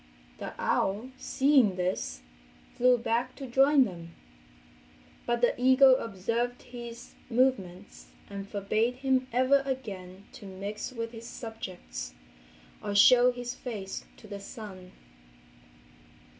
The owl, seeing this, flew back to join them. But the eagle observed his movements, and forbade him ever again to mix with his subjects or show his face to the sun.